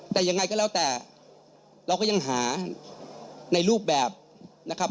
แต่ยังไงก็แล้วแต่เราก็ยังหาในรูปแบบนะครับ